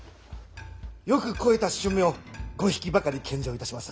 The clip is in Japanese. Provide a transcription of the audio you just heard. よく肥えた駿馬を５匹ばかり献上いたしまする。